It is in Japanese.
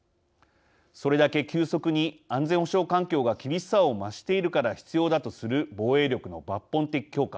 それだけ急速に安全保障環境が厳しさを増しているから必要だとする防衛力の抜本的強化。